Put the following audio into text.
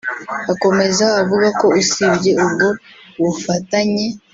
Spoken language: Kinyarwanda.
Akomeza avuga ko usibye ubwo bufatanye